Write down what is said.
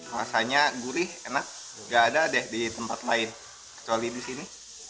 rasanya gurih enak gak ada deh di tempat lain kecuali di sini